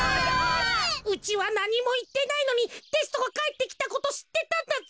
うちはなにもいってないのにテストがかえってきたことしってたんだぜ！